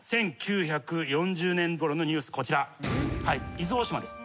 伊豆大島です。